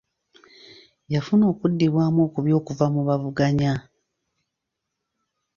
Yafuna okuddibwanu okubi okuva mu baavuganya.